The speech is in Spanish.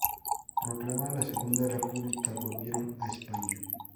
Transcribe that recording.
Proclamada la Segunda República, volvieron a España.